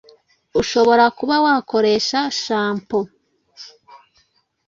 ushobora kuba wakoresha shampoo